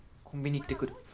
コンビニ行ってくる。